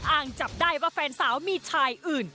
อ้างจับได้ว่าแฟนสาวมีชายอื่น